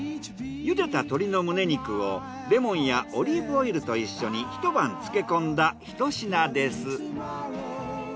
茹でた鶏のむね肉をレモンやオリーブオイルと一緒にひと晩漬け込んだひと品です。